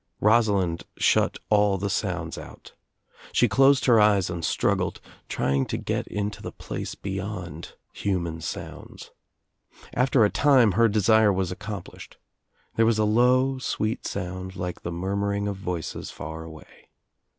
Rosalind shut all the sounds out. She closed her eyes and struggled, trying to get into the place beyond human sounds. After a time her desire was accomplished. There was a low sweet sound like the murmuring of voices far away.